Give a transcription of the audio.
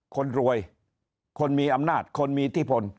คนรวยคนมีอำนาจคนมีอิทธิพล